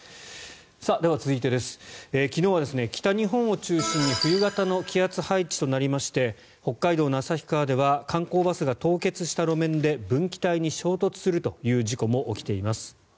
では、続いて昨日は北日本を中心に冬型の気圧配置となりまして北海道の旭川では観光バスが凍結した路面で分岐帯に衝突するという事故も起きています。